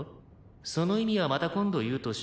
「その意味はまた今度言うとして」